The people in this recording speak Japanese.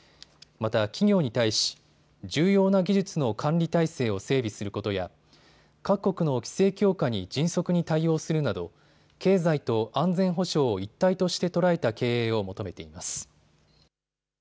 また、企業に対し重要な技術の管理体制を整備することや各国の規制強化に迅速に対応するなど経済と安全保障を一体として捉えた経営を求めています。